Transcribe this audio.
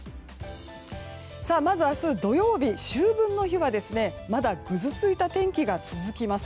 まず明日土曜日秋分の日はまだぐずついた天気が続きます。